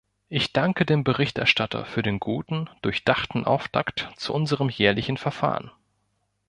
Ich danke dem Berichterstatter für den guten, durchdachten Auftakt zu unserem jährlichen Verfahren.